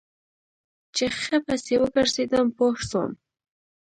چې ښه پسې وګرځېدم پوه سوم.